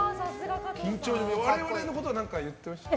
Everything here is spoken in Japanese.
我々のことは何か言ってましたか？